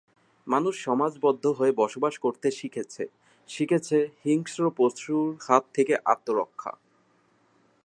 মানুষ সমাজ বদ্ধ হয়ে বসবাস করতে শিখেছে, শিখেছে হিংস্র পশুর হাত থেকে আত্ম রক্ষা।